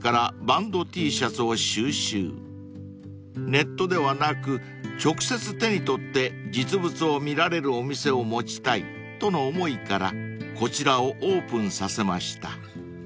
［ネットではなく直接手に取って実物を見られるお店を持ちたいとの思いからこちらをオープンさせました］